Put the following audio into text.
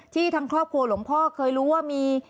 ทางครอบครัวหลวงพ่อเคยรู้ว่ามี